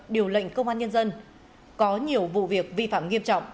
điều lệnh công an nhân dân có nhiều vụ việc vi phạm nghiêm trọng